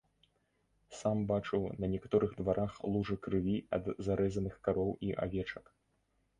Сам бачыў на некаторых дварах лужы крыві ад зарэзаных кароў і авечак.